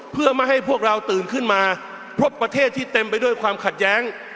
เพื่อไม่ให้พวกเราตื่นขึ้นมาพบประเทศที่เต็มไปด้วยความขัดแย้ง